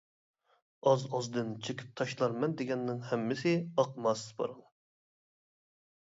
ئاز-ئازدىن چېكىپ تاشلارمەن دېگەننىڭ ھەممىسى ئاقماس پاراڭ.